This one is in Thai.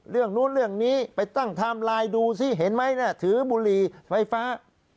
เรื่องนู้นเรื่องนี้ไปตั้งไทม์ไลน์ดูสิเห็นไหมถือบุหรี่ไฟฟ้า